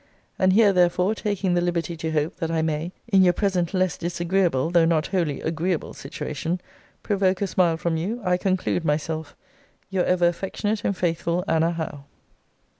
And here, therefore, taking the liberty to hope, that I may, in your present less disagreeable, though not wholly agreeable situation, provoke a smile from you, I conclude myself, Your ever affectionate and faithful, ANNA HOWE.